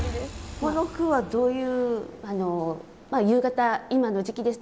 この句はどういう？